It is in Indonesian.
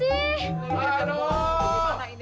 aduh gimana sih